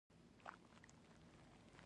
که لمر پرېوځي، نو سیوری به اوږد شي.